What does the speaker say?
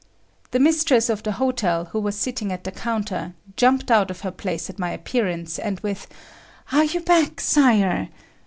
The mistress of the hotel who was sitting at the counter, jumped out of her place at my appearance and with "Are you back, Sire!"